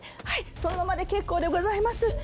はいそのままで結構でございます